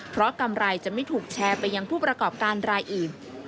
เพราะกำไรจะไม่ถูกแชร์ไปยังผู้ประกอบการรายอื่น